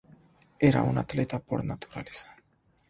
Era un atleta por naturaleza.